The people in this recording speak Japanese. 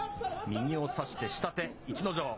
右を差して、下手、逸ノ城。